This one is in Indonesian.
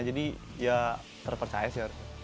jadi ya terpercaya sih